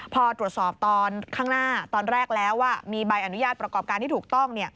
พอตรวจสอบตอนข้างหน้าตอนแรกแล้วว่ามีใบอนุญาตประกอบการที่ถูกต้อง